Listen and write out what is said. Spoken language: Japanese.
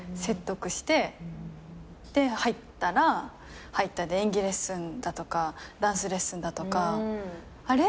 で入ったら入ったで演技レッスンだとかダンスレッスンだとかあれ？